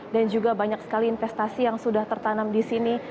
dan juga banyak sekali investasi yang sudah tertanam di sini